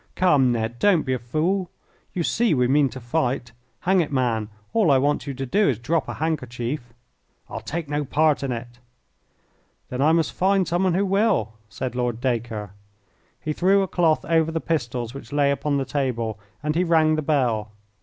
"Come, Ned, don't be a fool. You see we mean to fight. Hang it, man, all I want you to do is to drop a handkerchief." "I'll take no part in it." "Then I must find someone who will," said Lord Dacre. He threw a cloth over the pistols which lay upon the table, and he rang the bell.